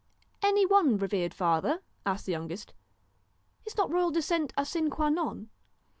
'Any one, revered father?' asked the youngest. ' Is not royal descent a sine qua non